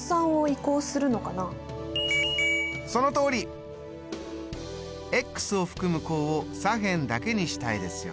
そのとおり！を含む項を左辺だけにしたいですよね。